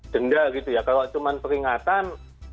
denda gitu ya kalau cuma peringatan